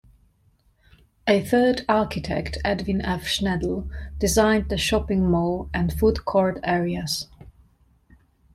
A third architect, Edwin F. Schnedl, designed the shopping mall and food court areas.